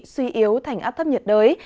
suy yếu thành áp thấp nhiệt đới